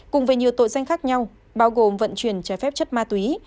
cùng với nhiều tội danh khác nhau bao gồm vận chuyển trái phép chất ma túy